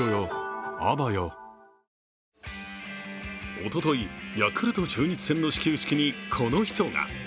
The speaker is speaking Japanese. おととい、ヤクルト、中日戦の始球式にこの人が。